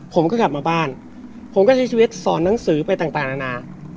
ผมก็กลับมาบ้านผมก็ใช้ชีวิตสอนหนังสือไปต่างนานา